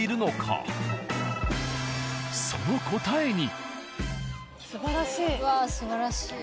［その答えに］